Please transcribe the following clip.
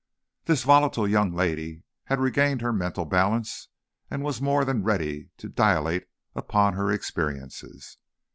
This volatile young lady had regained her mental balance, and was more than ready to dilate upon her experiences.